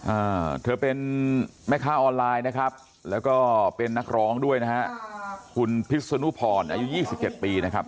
อ่าเธอเป็นแม่ค้าออนไลน์นะครับแล้วก็เป็นนักร้องด้วยนะฮะคุณพิษนุพรอายุยี่สิบเจ็ดปีนะครับ